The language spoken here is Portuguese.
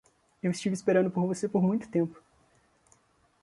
Eu estive esperando por você por muito tempo!